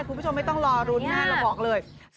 คุณผู้ชมไม่ต้องรอรุ้นนะเราบอกเลย